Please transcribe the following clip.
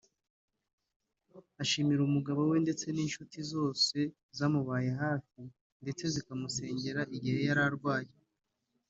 ashimira umugabo we ndetse n’inshuti zose zamubaye hafi ndetse zikanamusengera igihe yari atwite